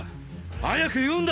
早く言うんだ！